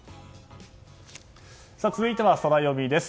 続いてはソラよみです。